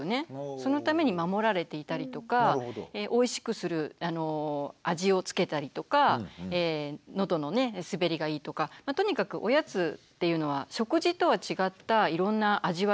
そのために守られていたりとかおいしくする味をつけたりとか喉の滑りがいいとかとにかくおやつっていうのは食事とは違ったいろんな味わいがあったりするわけですよ。